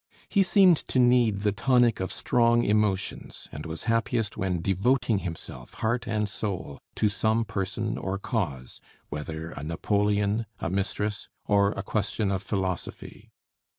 He seemed to need the tonic of strong emotions, and was happiest when devoting himself heart and soul to some person or cause, whether a Napoleon, a mistress, or a question of philosophy.